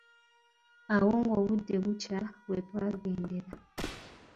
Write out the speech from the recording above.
Awo nga obudde bukya wetwagendera.